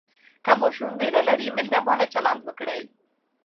که ماشوم ویره لري، مهربانه چلند وکړئ.